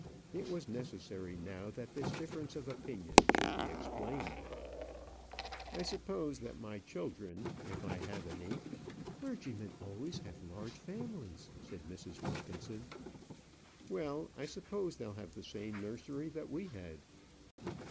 It was necessary now that this difference of opinion should be explained. "I suppose that my children, if I have any " "Clergymen always have large families," said Mrs. Wilkinson. "Well, I suppose they'll have the same nursery that we had."